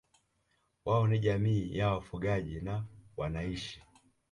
wao ni jamii ya wafugaji na wanaishi